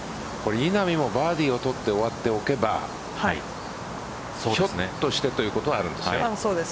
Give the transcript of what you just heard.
稲見もバーディーを取って終わっておけばひょっとしてということはあります。